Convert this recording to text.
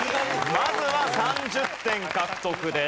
まずは３０点獲得です。